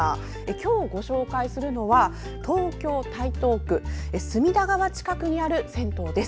今日ご紹介するのは東京・台東区隅田川近くにある銭湯です。